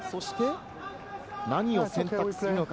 何を選択するのか？